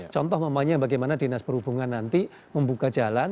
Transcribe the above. contoh mamanya bagaimana dinas perhubungan nanti membuka jalan